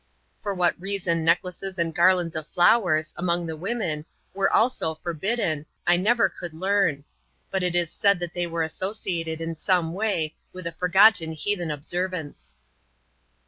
For what reason neck laces and garlands of flowers,, among the women, were also for bidden, I never could learn; but it is said that they were associated, in some way, with a forgotten heathen observance.